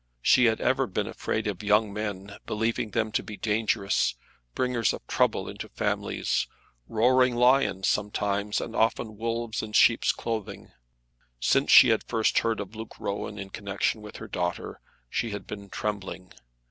She had ever been afraid of young men, believing them to be dangerous, bringers of trouble into families, roaring lions sometimes, and often wolves in sheep's clothing. Since she had first heard of Luke Rowan in connection with her daughter she had been trembling.